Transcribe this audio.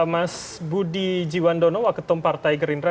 mas budi jiwandono waketum partai gerindra